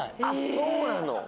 そうなの。